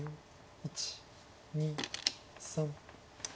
１２３。